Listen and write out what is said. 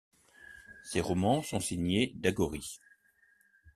Ses romans sont signés Dagory.